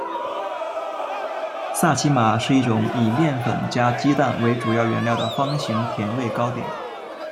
萨其马是一种以面粉加鸡蛋为主要原料的方形甜味糕点。